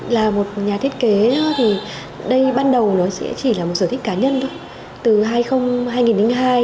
là một nhà thiết kế thì đây ban đầu nó chỉ là một sở thích cá nhân thôi